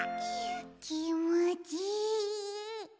きもちいい。